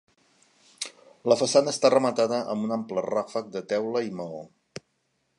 La façana està rematada amb un ample ràfec de teula i maó.